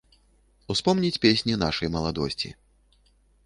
Успомніць песні нашай маладосці.